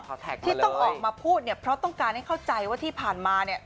ที่ต้องออกมาพูดเนี่ยเพราะต้องการให้เข้าใจว่าที่ผ่านมาเนี่ย